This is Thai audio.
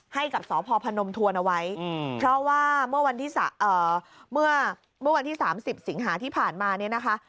ให้กับสพพนมทวนเอาไว้เพราะว่าเมื่อวันที่๓๐สิงหาที่ผ่านมาเนี่ยนะคะ